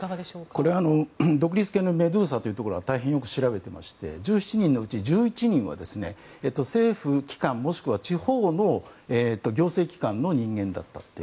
これは独立系のメドゥーザというところは大変よく調べていまして１７人のうち１１人は政府機関もしくは地方の行政機関の人間だったと。